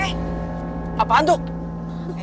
eh apaan tuh